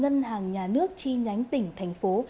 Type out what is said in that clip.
ngân hàng nhà nước tri nhánh tỉnh thành phố